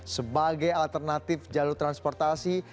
sebagai alternatif jalur transportasi